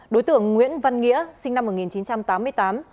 đối tượng nguyễn văn nghĩa sinh năm một nghìn chín trăm tám mươi tám